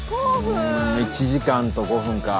１時間と５分か。